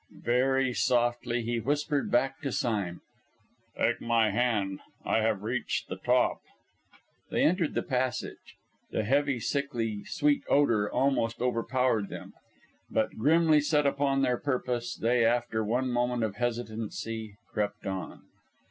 Very softly he whispered back to Sime: "Take my hand. I have reached the top." They entered the passage. The heavy, sickly sweet odour almost overpowered them, but, grimly set upon their purpose, they, after one moment of hesitancy, crept on.